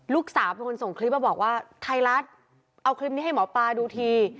ลูกสาวเป็นคนส่งคลิปมาบอกว่าไทยรัฐเอาคลิปนี้ให้หมอปลาดูที